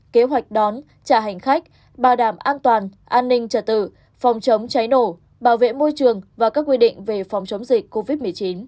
kế hoạch đón trả hành khách bảo đảm an toàn an ninh trả tự phòng chống cháy nổ bảo vệ môi trường và các quy định về phòng chống dịch covid một mươi chín